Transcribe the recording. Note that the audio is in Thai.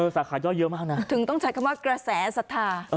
สาขาย่อยเยอะมากนะถึงต้องใช้คำว่ากระแสสัทธา